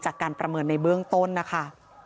การประเมินในเบื้องต้นนะคะ